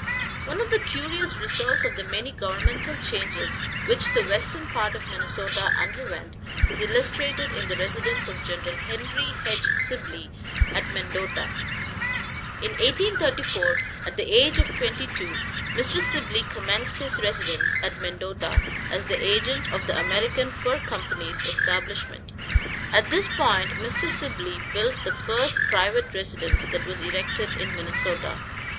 One of the curious results of the many governmental changes which the western part of Minnesota underwent is illustrated in the residence of Gen. Henry H. Sibley, at Mendota. In 1834, at the age of twenty two, Mr. Sibley commenced his residence at Mendota, as the agent of the American Fur Company's establishment. At this point Mr. Sibley built the first private residence that was erected in Minnesota.